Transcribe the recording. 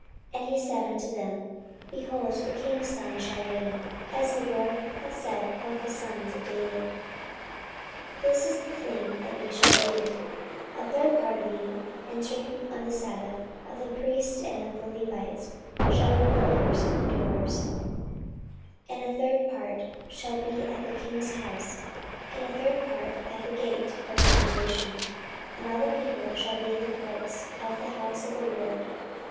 And he said unto them, Behold, the king's son shall reign, as the LORD hath said of the sons of David. 14:023:004 This is the thing that ye shall do; A third part of you entering on the sabbath, of the priests and of the Levites, shall be porters of the doors; 14:023:005 And a third part shall be at the king's house; and a third part at the gate of the foundation: and all the people shall be in the courts of the house of the LORD.